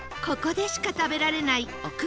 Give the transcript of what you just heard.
ここでしか食べられない奥